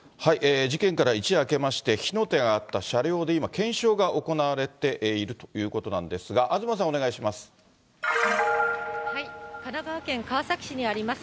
事件から一夜明けまして、火の手が上がった車両で検証が行われているということなんですが、東さん、お願いします。